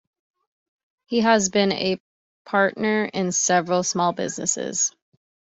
He has been a partner in several small businesses.